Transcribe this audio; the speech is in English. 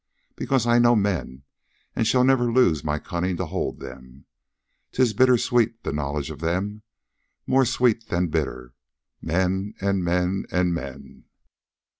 Because I know men, and shall never lose my cunning to hold them. 'Tis bitter sweet, the knowledge of them, more sweet than bitter men and men and men!